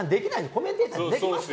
コメンテーター、できますか？